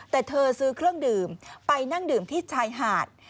แต่เธอซื้อเครื่องดื่มไปนั่งดื่มที่ชายหาด